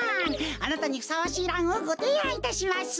あなたにふさわしいランをごていあんいたします。